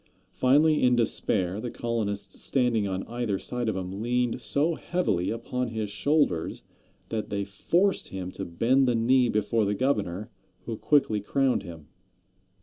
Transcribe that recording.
Finally, in despair, the colonists standing on either side of him leaned so heavily upon his shoulders that they forced him to bend the knee before the governor, who quickly crowned him.